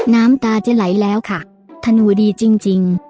น้ำตาจะไหลแล้วค่ะธนูดีจริง